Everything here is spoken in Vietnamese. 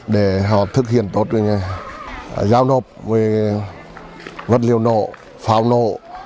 để họ thực hiện tốt giao nộp về vật liệu nổ pháo nổ